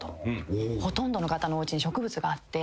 ほとんどの方のおうちに植物があって。